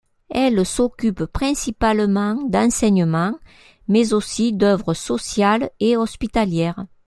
Elles s'occupent principalement d'enseignement, mais aussi d'œuvres sociales et hospitalières.